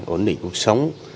ổn định cuộc sống